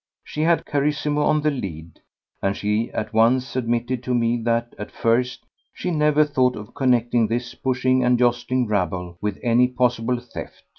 She had Carissimo on the lead, and she at once admitted to me that at first she never thought of connecting this pushing and jostling rabble with any possible theft.